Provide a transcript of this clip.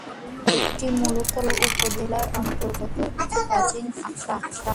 এটি মূলত লালপুর উপজেলার অন্তর্গত একটি প্রাচীন আখড়া।